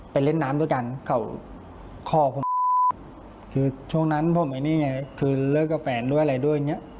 เล่นน้ำด้วยกันเขาคอผมคือช่วงนั้นผมไอ้นี่ไงคือเลิกกับแฟนด้วยอะไรด้วยอย่างเงี้ย